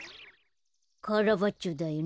カラバッチョだよね。